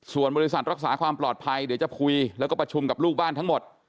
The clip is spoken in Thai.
ส่วนบริษัทรักษาความปลอดภัยเดี๋ยวจะคุยแล้วก็ประชุมกับลูกบ้านทั้งหมด